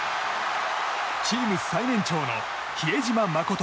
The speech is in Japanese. チーム最年長の比江島慎。